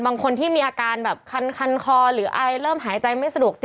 บางคนที่มีอาการแบบคันคอหรืออะไรเริ่มหายใจไม่สะดวก